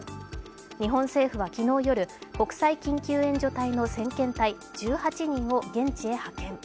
日本政府は昨日夜国際緊急援助隊の先遣隊１８人を現地へ派遣。